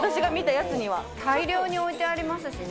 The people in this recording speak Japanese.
大量に置いてありますしね。